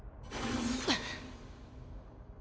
あっ。